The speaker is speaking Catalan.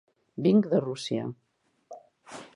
Vinc de Rússia.